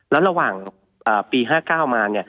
แล้วระหว่างปี๕๙มา